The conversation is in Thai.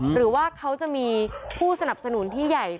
หรือว่าเขาจะมีผู้สนับสนุนที่ใหญ่